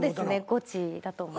「ゴチ」だと思います。